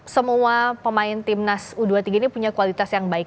semua pemain timnas u dua puluh tiga ini punya kualitas yang baik